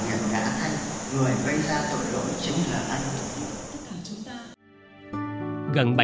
tất cả chúng ta